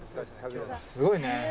すごいね。